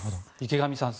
池上さん